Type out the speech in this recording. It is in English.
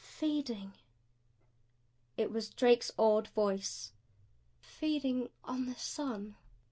"Feeding!" It was Drake's awed voice. "Feeding on the sun!"